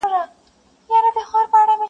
o مطلب پوره سو د يارۍ خبره ورانه سوله,